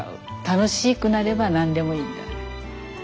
楽しくなれば何でもいいみたいな。